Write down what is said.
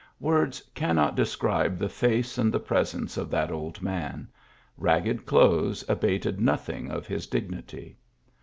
Words cannot describe the face and presence of that old man; ragged clothes abated noth ing of his dignity.